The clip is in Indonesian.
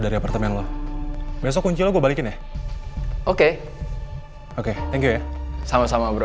dari apartemen lo brothers kunjung eyeball grandparents oke tapi sama sama bro